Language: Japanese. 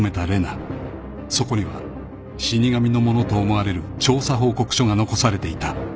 ［そこには死神のものと思われる調査報告書が残されていた］